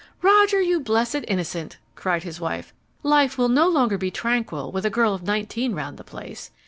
"Roger, you blessed innocent!" cried his wife. "Life will no longer be tranquil with a girl of nineteen round the place.